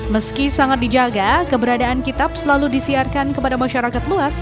meski sangat dijaga keberadaan kitab selalu disiarkan kepada masyarakat luas